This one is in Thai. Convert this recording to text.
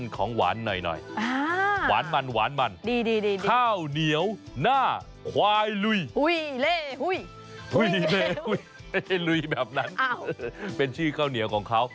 ข้าวเหนียวหน้าควายลุยเป็นชื่อข้าวเหนียวของเขา